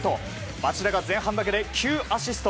町田が前半だけで９アシスト。